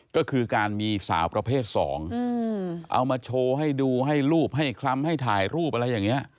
ก็คือการมีสาวประเภทสองเอามาโชว์ให้ดูให้รูปให้คล้ำให้ถ่ายรูปอะไรอย่างนี้